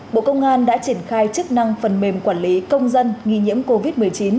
bộ công an đã triển khai chức năng phần mềm quản lý công dân nghi nhiễm covid một mươi chín